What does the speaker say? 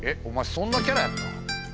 そんなキャラやった？